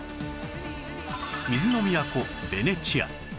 水の都ベネチア